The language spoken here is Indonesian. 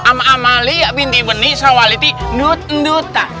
am amalia bindi benih sawaliti nut nduta